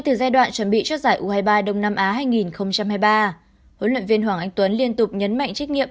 trước giải u hai mươi ba đông nam á hai nghìn hai mươi ba huấn luyện viên hoàng anh tuấn liên tục nhấn mạnh trách nghiệm